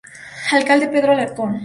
Alcalde Pedro Alarcón, av.